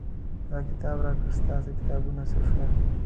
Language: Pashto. ستا کتاب راکړه ستاسې کتابونه څه شول.